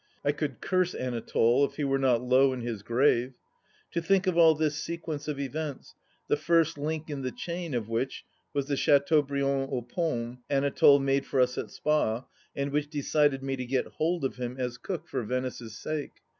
... I could curse Anatole, if he were not low in his grave ! To think of all this sequence of events, the first link in the chaia of which was the Chdteaubriand aux pommes Anatole made for us at Spa and which decided me to get hold of him as cook for Venice's sake.